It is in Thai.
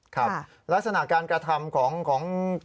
ครับลักษณะการกระทำของ